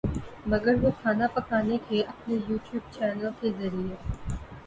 مگر وہ کھانا پکانے کے اپنے یو ٹیوب چینل کے ذریعے